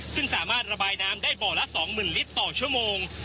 ซึ่งสามารถระบายน้ำได้บ่อละ๒๐๐๐ลิตรต่อชั่วโมง